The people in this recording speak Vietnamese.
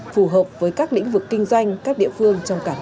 phù hợp với các lĩnh vực kinh doanh các địa phương trong cả nước